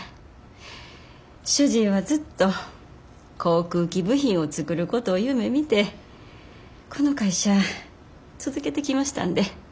主人はずっと航空機部品を作ることを夢みてこの会社続けてきましたんで。